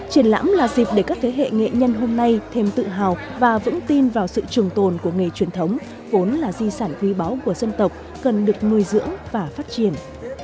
triển lãm là dịp để các thế hệ nghệ nhân hôm nay thêm tự hào và vững tin vào sự trường tồn của nghề truyền thống vốn là di sản quý báu của dân tộc cần được nuôi dưỡng và phát triển